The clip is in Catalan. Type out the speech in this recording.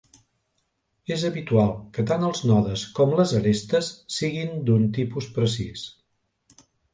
És habitual que tant els nodes com les arestes siguin d'un tipus precís.